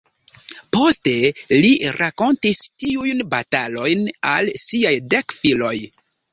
Poste, li rakontis tiujn batalojn al siaj dek filoj.